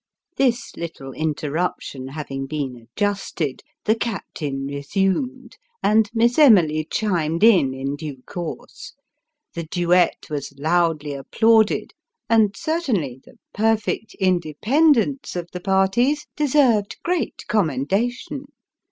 This little interruption having been adjusted, the captain resumed, and Miss Emily chimed in, in due course. The duet was loudly applauded, and, certainly, the perfect independence of the parties deserved great commendation.